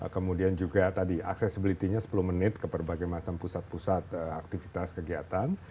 kemudian juga tadi accessibility nya sepuluh menit ke berbagai macam pusat pusat aktivitas kegiatan